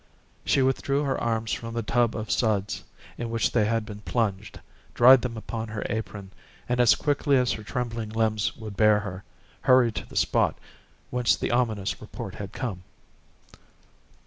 She withdrew her arms from the tub of suds in which they had been plunged, dried them upon her apron, and as quickly as her trembling limbs would bear her, hurried to the spot whence the ominous report had come.